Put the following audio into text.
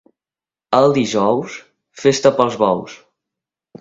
El dijous, festa pels bous.